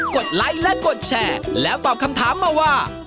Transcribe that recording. ดไลค์และกดแชร์แล้วตอบคำถามมาว่า